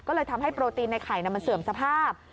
ก็เลยทำให้โปรตีนในไข่มันเสื่อมสภาพ